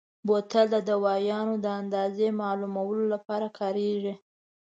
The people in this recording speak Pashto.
بوتل د دوایانو د اندازې معلومولو لپاره کارېږي.